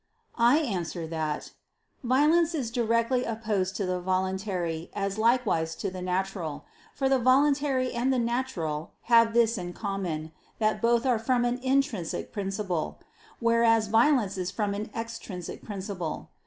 I answer that, Violence is directly opposed to the voluntary, as likewise to the natural. For the voluntary and the natural have this in common, that both are from an intrinsic principle; whereas violence is from an extrinsic principle.